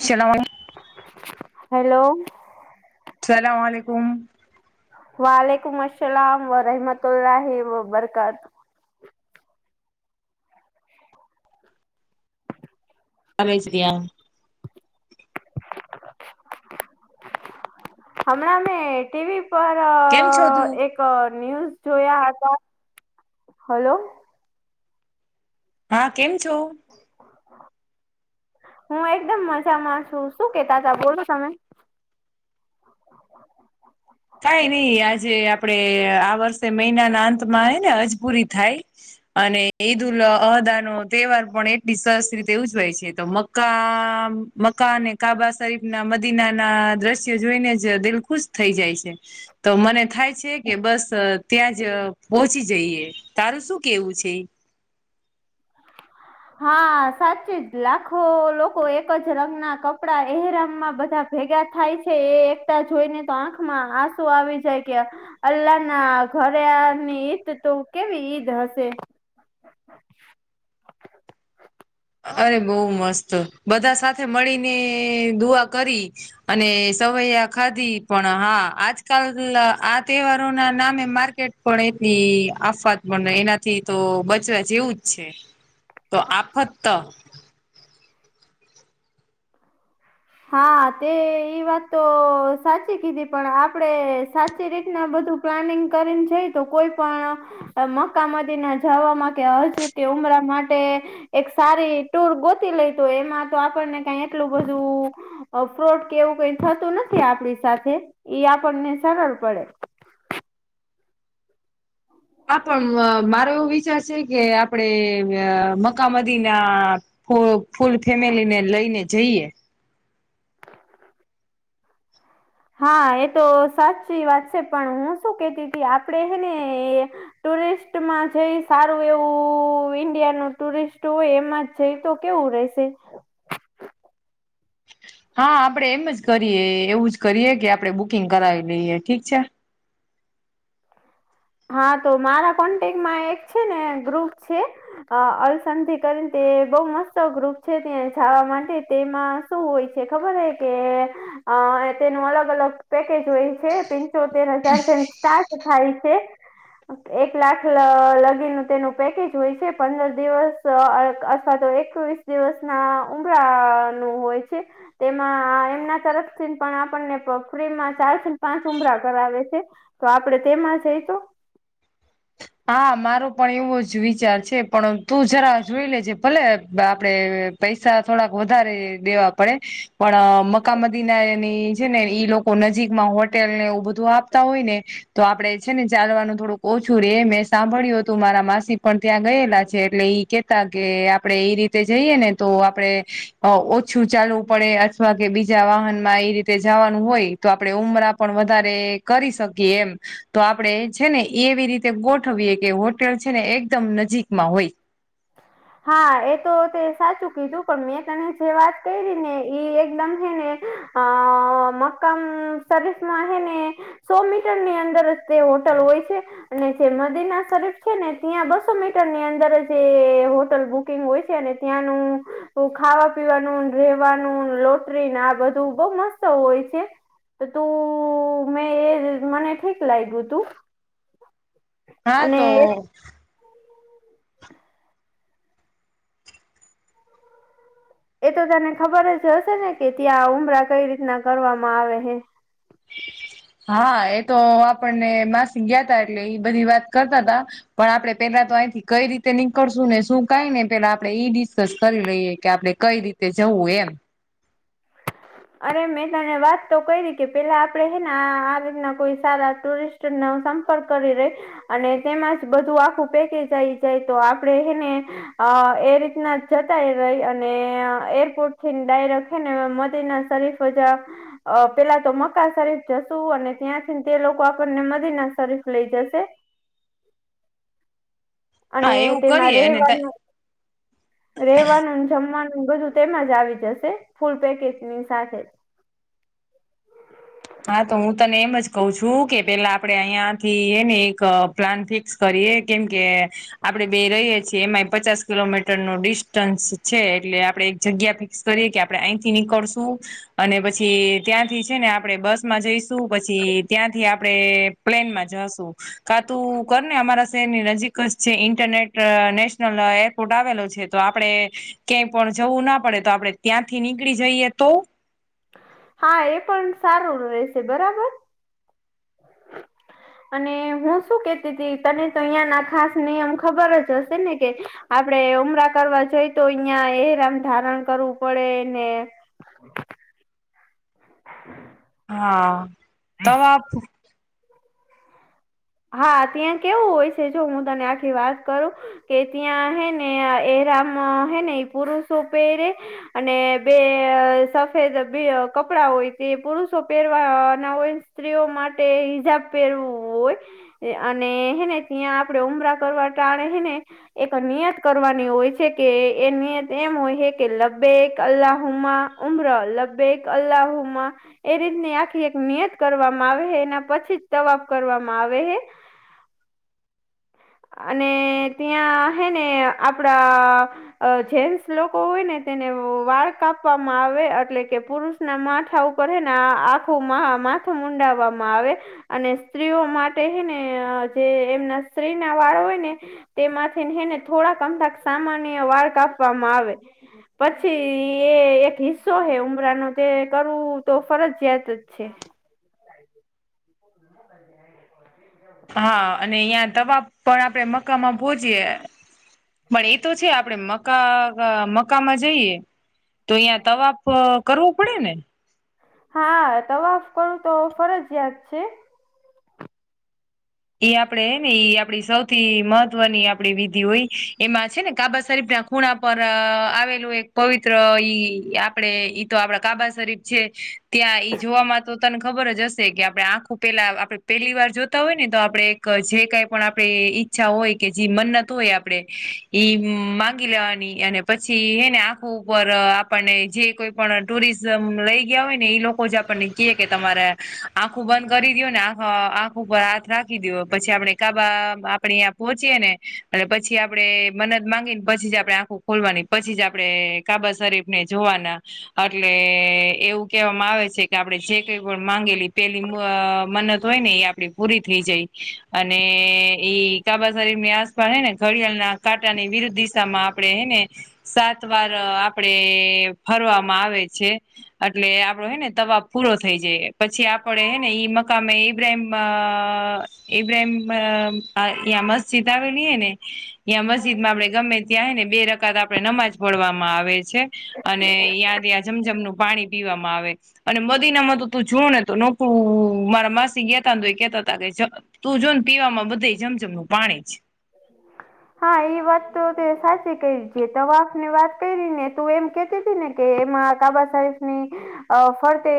[unintelligible] Hello. સલામ-વાલેકુમ. વલલેકુમ અલામ વરહમત અલલાહ વબરક. [unintelligible] હમણા અમે ટીવી પર કેમ છો તું? એક ન્યૂઝ જોયા હતા, હલો. હા, કેમ છો? હું એકદમ મજામાં છું, શું કેતા હતા બોલો તમે? કઈ નહી, આજે આપણે આ વર્ષે મહિનાના અંતમાં હજ પૂરી થાય. અને ઈદ ઉલ અહદા નો તહેવાર પણ એટલી સરસ રીતે ઉજવાય છે તો ક મકાને કાબા શરીફ ના મદીના ના દ્રશ્ય જોઈને જ દિલ ખુશ થઈ જાય છે તો મને થાય છે કે બસ ત્યાં જ પહોંચી જઈએ તારું શું કેવું છે હા સાચી જ લાખો લોકો એક જ રંગના કપડા એરામમાં બધા ભેગા થાય છે એ એકતા જોઈને તો આંખમાં આંસુ આવી જાય કે અલ્લાહ ના ઘરેની ઈદ તો કેવી ઈદ હશે અરે બઉ મસ્ત બધા સાથે મળીને દુઆ કરી અને સવૈયા ખાધી પણ હા આજકાલ આ તહેવારો ના નામે માર્કેટ પણ એની આફત પણ એનાથી તો બચવા જેવું જ છે તો આફત્ત હા તે ઈ વાત તો સાચી કીધી પણ આપડે સાચી રીતના બધું પ્લાનિંગ કરીને જઈ તો કોઈ પણ મક્કાામદી ના જવામાં કે હજ કે ઉમરા માટે એક સારી ટુર ગોતી લઈ તો એમાં તો આપણને કઈ એટલું બધું ફ્રોટ કે એવું કઈ થતું નથી આપડી સાથે એ આપણને સરળ પડે હા પણ મારો એવો વિચાર છે કે આપડે મકામદી ના ફૂલ ફેમિલી ને લઈને જઈએ હા એ તો સાચી વાત છે પણ હું શું કેતી આપડે હે ને ટુરિસ્ટમાં જે સારું એવું ઈન્ડિયાનું ટુરિસ્ટ હોય એમાં છે તો કેવું રહેશે હા આપડે એમ જ કરીએ એવું જ કરીએ કે આપડણે બુકિંગ કરાવી લઈએ ઠીક છે હા તો મારા કોન્ટેક્ટમાં એક છે ને ગ્રુપ છે અ અલસંધિ કરીને તે બહુ મસ્ત ગ્રુપ છે ત્યાં જવા માટે તેમાં શું હોય છે ખબર હ કે અ તેનું અલગ અલગ પેકેજ હોય છે પંચોતેર હજાર જે સ્ટાર્ટ થાય છે એક લાખ લગી તેનું પેકેજ હોય છે પંદર દિવસ અથવા તો એકવીસ દિવસ ના ઉમળ નું હોય છે તેમાં એમના તરફથી પણ આપણને ફ્રીમાં ચાર થી પાંચ ઉમરા કરાવે છે તો આપડે તેમાં છે તો હા મારો પણ એવો જ વિચાર છે પણ તું જરા જોઈ લેજે ભલે આપડે પૈસા થોડાક વધારે દેવા પડે પણ મકામદીના એની છે ને ઈ લોકો નજીકમાં હોટેલ ને એવું બધું આપતા હોય ને તો આપડે છે ને ચાલવાનું થોડુંક ઓછું રે એમ મેં સાંભળ્યું હતું મારા માસી પણ ત્યાં ગયેલા છે એટલે ઈ કેતા કે આપડે એ રીતે જઈએ ને તો આપણે ઓછું ચાલવું પડે અથવા કે બીજા વાહન માં એ રીતે જવાનું હોય તો આપણે ઉમરા પણ વધારે કરી શકીએ એમ તો આપડણે છે ને એવી રીતે ગોઠવીએ કે હોટેલ છે ને એકદમ નજીકમાં હોય હા એ તો તે સાચું કીધું પણ મેં તને જે વાત કરી ને ઈ એકદમ છે ને અ મક્કામ સરીસ ન હ ને સો મીટર ની અંદર જ તે હોટલ હોય છે અને જે મદીના શરીફ છે ને ત્યાં બસો મીટરની અંદર જે લ બુકિંગ હોય છે અને ત્યાંનું ખાવા પીવાનું રહેવાનું ને આ બધું બઉ મસ્ત હોય છે તો તું મેં એ મને ઠીક લાગ્યું તું હા અને તો એ એ તો તને ખબર જ હશે ને કે ત્યાં ઉમરા કઈ રીતના કરવામાં આવે હે હા એ તો આપણને માસ ગયા ત એટલે એ બધી વાત કરતા હતા પણ આપડે પેલા તો અહીંથી કઈ રીતે નીકળશું ને શું કઈને પેલા આપડે ઈ ડિસ્કસ કરી લઈએ કે આપડે કંઈ રીતે જવું એમ? અરે, મેં તને વાત તો કઈ રીતે, પેલા આપડે હે આ રીતના કોઈ સારા ટુરિસ્ટ ન સંપર્ક ર રે અને તેમાં જ બધું આખું પેકેજ આ આવી જાય તો આપડે એને અ એ રીતના જતા એ રહી અને એરપોર્ટ થી ડાયરેખે ને મદીના શરીફજા અ પેલા તો મકા શરીફ જશું અને ત્યાંથી તે લોકો આપણને મદીના શરીફ લઈ જશે અને હા એવું તેમાં કરીએ અને રહેવાનું. રેવાનું ને જમવાનું બધું તેમાં જ આવી જશે, ફૂલ પેકેજની સાથે જ. હા, તો હું તને એમ જ કહ છું કે, પેલા આપડે અહિંયા થી એ ને એક પ્લાન ફિક્સ કરીએ કેમ કે આપડે બે રહીએ છીએ, એમાંય પચાસ કિલોમીટર નું ડિસ્ટન્સ છે. એટલે આપડે એક જગ્યા પર કરીએ કે આપડે અહીંથી નીકળશું અને પછી ત્યાંથી, છે ને, આપણે આપણે બસ માં જઈશું, પછી ત્યાંથી આપણેે પ્લેનમાં જઈશું. કા, તું કર ને. અમારા શહેરની નજીક જ છે, ઇન્ટરનેટ નેશનલ એપ. કોર્ટ આવેલો છે, તો આપડે ક્યાંય પણ જવું ના પડે. તો આપડે ત્યાંથી નીકળી જઈએ તો. હા, એ પણ સારું રહેશે. બરાબર. [unintelligible] અને હું શું કેતી ત તને? તો અહિયાં ના ખાસ નિયમ ખબર જ હશે ને કે? આપડે ઉમરા કરવા જોઈ તો અહિયાં એરામ ધારણ કરવું પડે ને? હમ. હા, તો આપણું હા, ત્યાં કેવું હોય છે? જો હું તને આખી વાત કરું. કે ત્યાં, હે ને, એરામ હે ને, પુરુષ પેહરે. અને બે સફેદ કપડા હોય, તે પુરુષો પહેરવા ના હોય. સ્ત્રીઓ માટે હિજાબ પહેરવું હોય. અને હેને ત્યાં આપડે ઉમરા કરવા ટાણે હેને. એક નિયત કરવાની હોય છે. કે એ નિયત એમ હોય છે કે, લ્બેક અલ્લાહુમા ઉમ્ર લબેક અલ્લાહમ. એ રીતની આખી એક નિયત કરવામાં આવે હ. એના પછી જ તવાફ કરવામાં આવે હે. અને ત્યાં હે ને આપડા જે લોકો હોય ને, તેને વાળ કાપવામાં આવે એટલે કે પુરુષ ના માથા ઉપરને આખું માથું મડાવવામાં આવે. અને સ્ત્રીઓ માટે હ ને, જે એમના સ્ત્રી વાળ હોય ને, તેમાંથીને થોડાક અમુક સામાન્ય વાળ કાપવામાં આવે. પછી એ એક હિસ્સો હે ઉમરાનો તે કરવું તો ફરજિયાત જ છે. [unintelligible] હા, અને અહીં તવા પણ આપડે મકામાં ભોજીીએ. પણ એ તો છે, આપડે મકકા મકકામાં જઈએ. તો અહીં તવાપ કરવું પડે ને. હા, તોવાફ કરું તો ફરજિયાત છે ને. એ આપડે ને, આપડી સૌથી મહત્વની આપડી વિધિ હોય એમાં છે ને, કાબા શરીફ ના ખૂણા પર આવેલું એક પવિત્ર ઈ આપડે ઈ તો આપડા કાબા શરીફ છે. ત્યાં એઈ જોવામાં તો, તને ખબર જ હશે કે, આપણે આંખું પેલા આપડણે પેલી વાર જોતા હોય ને. તો આપણે જે કંઈ પણ આપણે ઈચ્છા હોય કે જે મન્નત હોય, આપણે ઈ માંગી લેવાની. અને પછી, હે ને, આખું ઉપર આપણને જે કોઈ પણ ટુરિસ્ટ લઈ ગયા હોય ને, એઈ લોકો જ આપણને કહે કે, તમારે આંખું બંધ કરી દું ને આ હ આખ બરાથ રાખ [unintelligible] વી દ પછી આપડે કાબા આપણે અં પહોંચીયે ને, અને પછી આપડે મન માંગીને પછી આપણેે ખોલવાની પછી જ આપણેે કાબા શરીફ ને જોવાના. એટલે એવું કેહેવામાં આવે છે કે, આપડે જે કઈ પણ માંગેલી, પેલી મન હોય ને, એ આપણી પૂરી. થઈ જાય. અને ઈ કાબા શરીર ની આસપાસ ને, ઘડિયાળ ના કાટાની વિરુદ્ધ દિશામાં આપણે હને. સાત વાર આપડે ફરવામાં આવે છે. એટલે આપડો હેને તવાબ પૂરો થઈ જાય પછી આપડે હેને ઈ મકામે ઈબ્રાહીમ એઇબ્રાહિમ મસ્જિદ આવેલી હ ને યાંયા મસ્જિદ માં આપડે ગમે ત્યાંને બે રકાત આપડણે નમાજ પડવામાં આવે છે અને ્યાં ત્યાં જમઝમનું પાણી પીવામાં આવે અને મદી નામાં તો તું જો ને તો નોકરું મારા માસી ગેતા કેતા તું જો ને પીવામાં બધા જમઝમનું પાણી હા એ વાત તો તે સાચી કરી છે તવાફ ને વાત કરી ને તું એમ કેતી હતી ને કે માકા બસસને અ ફરતે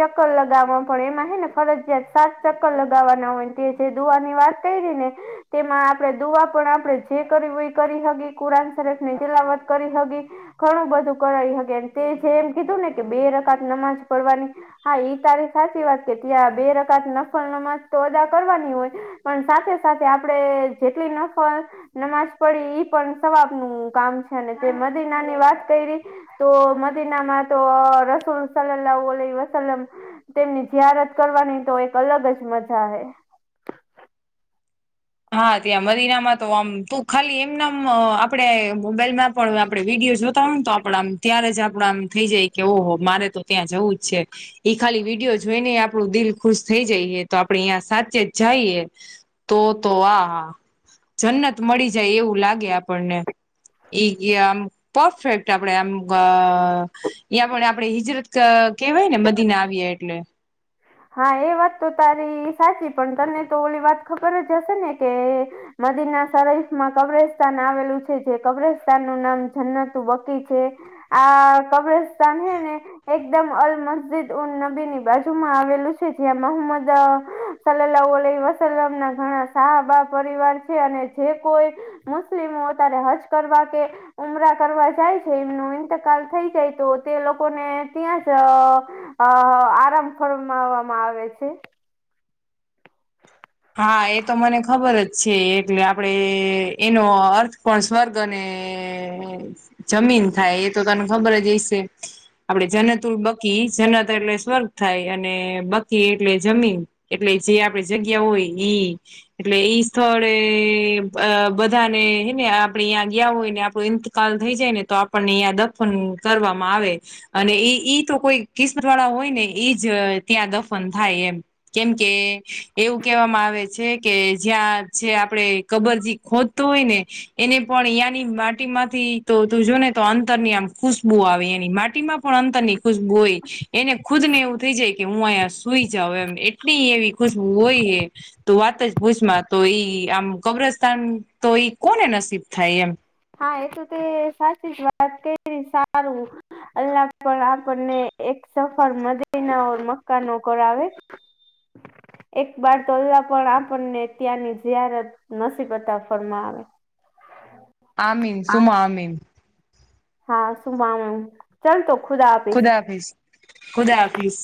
ચક્કર લગાવવા પણ એમાં હ ને ફરજયાત સાત ચક્કર લગાવવાના હોયને દુવાની વાત કરી ને તેમાં આપણે દુઆ પણ આપડે જે કરી એ કરી હગ કુરાન સરલાાવત કરી હકી ઘણું બધું કરાઈ હકેમ તે જે એમ કીધું ને કે બે રકાત નમાજ પડવાની હા એઈ તારી સાચી વાત કે ત્યાં બે રકાત નફલ નમજ તો અદા કરવાની હોય પણ સાથે સાથે આપડે જેટલી નફર નમાજ પડી ઈ પણ સવાબનુંું કામ છે અને તે મદીના ની વાત કરી તો મદીના માં તો રસૂલ સલાહ વસલમ તેમની જયાર જ કરવાની તો એક અલગ જ મજા આવે હા ત્યાં મદીનામાં તો આમ તું ખાલી એમ નામ આપડે મોબાઈલ મેપ પણ હ આપડે વિડીયો જોતા હોય ને તો આપડામ ત્યારે જ આપડ આમ થઇ જાય કે ઓહ મારે તો ત્યાં જવું જ છે એ ખાલી વિડીિયો જોઈને આપણું દિલ ખુશ થઈ જઈએ તો આપડે અહં સાચે જ જઈએ તો તો આ હા જન્નત મળી જાય એવું લાગે આપણને એઈ આમ પરફેક્ટ આપડે આમ યાં પણ આપડે હિજરત કેવાય ને બદીીને આવએ એટલે હા એ વાત તો તારી સાચી પણ તને તો ઓલી વાત ખબર જ હશે ને કે નદીના શરીફમાં કબ્રસ્તાન આવેલું છે જે કબ્રસ્તાન નું નામ જન્નતુ બકી છે આ કબ્રસ્તાન હે ને એકદમ અલ મસ્જિદ ઉન નબી ની બાજુ માં આવેલ છે જ મોહમદ સલાલાહલ વસલમ ના ઘણા સાાબા પરિવાર છે અને જે કોઈ મુસ્લિમો ત્યારે હજ કરવા કે ઉમરા કરવા જાય છે એમનો ઈંતકાલ થઈ જાય તો તે લોકોને ત્યાં જ અ આરામ ફરમાવામાં આવે છે હા એ તો મને ખબર જ છે એટલે આપડે એનો અર્થ કોણ સ્વર્ગ અને જમીન થાય એ તો તને ખબર જ હશે આપડે જનતુલ બકી જનત એટલે સ્વર્ગ થાય અને બકી એટલે જમીન એટલે જે આપણે જગ્યા હોય એ એટલે ઈ સ્થળે અ બધાને હે ને આપડે હં ગયા હોય ને આપડો કાલ થઈ જાય ને તો આપણને અહંયા દફન કરવામાં આવે અને એ ઈ તો કોઈ કિસ્મત વાળા હોય ને એઈજ ત્યાં દફન થાય એમ કેમ કે એવું કહેવામાં આવે છે કે જ્યાં જે આપણેે કબરજી ખોજતો હોય ને એને પણ ની માટી માંથી તો તું જોને તો અંતરની આમ ખુશ્બુ આવે એની માટી માં પણ અંતર ની ખુશબુ હોય એને ખુદ ને એવું થઈ જાય કે હું અહીંયા સુઈ જાઉ એમ એટલી એવી ખુશ હોય એ તો વાત જ ભૂજમાં તો ઈ આમ કબ્રસ્તાન તો ઈ કોને નસીબ થાય એમ હા એ તોું તે સાચી જ વાત કે સારું અલ્લા પણ આપણને એક સફર મદીના ઓ મકાનો કરાવે [unintelligible] એક બાાર તોવા પણ આપણને ત્યાંની જત નસીબત ફળમાં આવે આમીન સુમા અમીન હા ચલ તો ખુદા આફીશ. ખુદા હાફિઝ